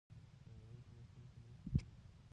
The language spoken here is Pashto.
د ناروغیو په مخنیوي کې مرسته کوي.